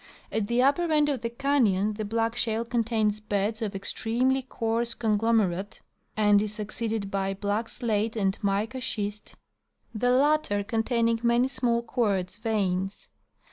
At the upper end of the canyon the black shale contains beds of extremely coarse conglomerate, and is succeeded by black slate and mica schist, the latter containing many small quartz veins.